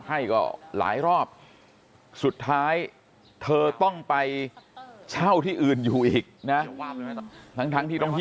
ให้ก็หลายรอบสุดท้ายเธอต้องไปเช่าที่อื่นอยู่อีกนะทั้งที่ต้องที่